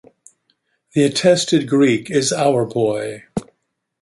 The attested Greek is Auarpoi.